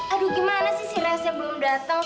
aduh gimana sih si reshe belum datang